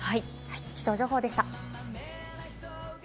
気象情報でした。